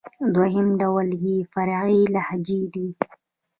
دوهم ډول ئې فرعي لهجې دئ.